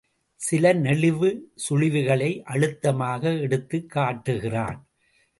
சில நெளிவு சுழிவுகளை அழுத்தமாக எடுத்துக் காட்டுகிறான்.